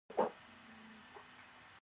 زړه سل زره ځلې په ورځ ټکي.